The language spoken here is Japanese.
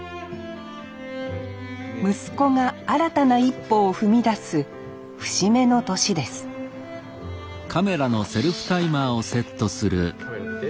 息子が新たな一歩を踏み出す節目の年ですよし。